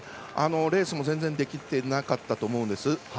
レースも全然できてなかったと思うんです。